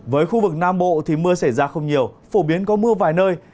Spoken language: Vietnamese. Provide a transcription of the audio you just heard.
với khu vực nam bộ thì mưa xảy ra không nhiều phổ biến có mưa vài nơi